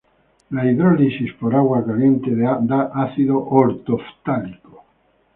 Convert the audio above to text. La hidrólisis por agua caliente da ácido "orto"-ftálico.